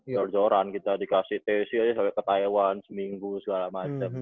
jor joran kita dikasih tesi aja sampai ke taiwan seminggu segala macem